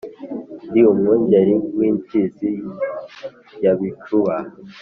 ndi umwungeri w’imfizi ya bicuba,